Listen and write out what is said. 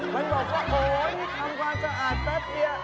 มันบอกว่าโอ้นี่ทำความสะอาดแป๊บเดียว